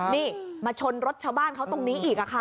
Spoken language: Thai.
นี่มาชนรถชาวบ้านเขาตรงนี้อีกค่ะ